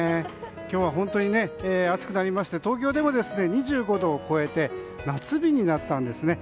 今日は本当に暑くなりまして東京でも２５度を超えて夏日になったんですね。